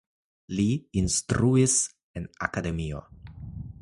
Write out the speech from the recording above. Li instruis en la akademio.